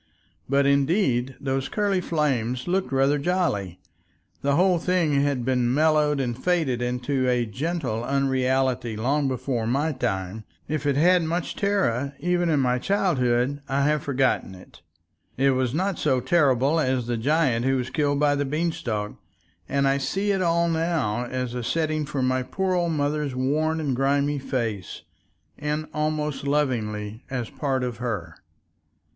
But indeed those curly flames looked rather jolly. The whole thing had been mellowed and faded into a gentle unreality long before my time; if it had much terror even in my childhood I have forgotten it, it was not so terrible as the giant who was killed by the Beanstalk, and I see it all now as a setting for my poor old mother's worn and grimy face, and almost lovingly as a part of her.